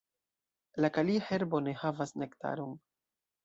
La kalia herbo ne havas nektaron.